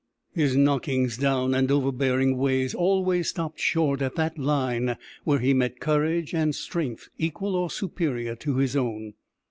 His knockings down and overbearing ways always stopped short at that line where he met courage and strength equal or superior to his own.